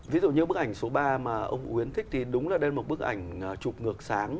ví dụ như bức ảnh số ba mà ông quyến thích thì đúng là đây một bức ảnh chụp ngược sáng